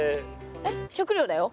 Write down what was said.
えっ食料だよ。